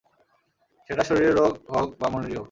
সেটা শরীরের রোগ হোক বা মনেরই হোক।